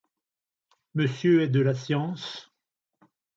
Monsieur est de la science?